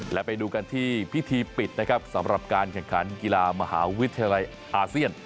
และไปดูกันที่พิธีปิดนะครับสำหรับการแข่งขันกีฬามหาวิทยาลัยอาเซียน